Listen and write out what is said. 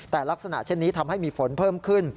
แต่ลักษณะเช่นนี้ทำให้มีฝนเพิ่มขึ้น